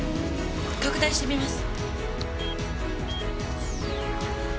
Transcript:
拡大してみます。